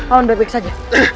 anda baik saja